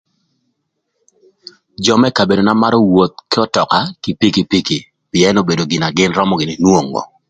Jö më kabedona marö woth k'ötöka ki pikipiki pïën obedo gin na gïn römö gïnï nwongo.